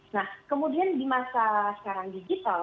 nah kemudian di masa sekarang digital